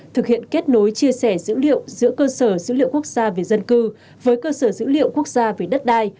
thực hiện kết nối chia sẻ dữ liệu giữa cơ sở dữ liệu quốc gia về dân cư với cơ sở dữ liệu quốc gia về đất đai